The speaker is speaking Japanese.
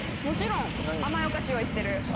もちろん甘いお菓子用意してる。